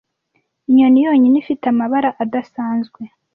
inyoni yonyine ifite amabara adasanzwe